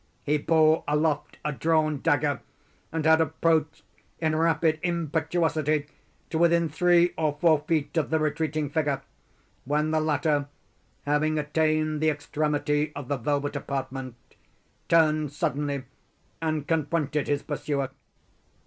He bore aloft a drawn dagger, and had approached, in rapid impetuosity, to within three or four feet of the retreating figure, when the latter, having attained the extremity of the velvet apartment, turned suddenly and confronted his pursuer.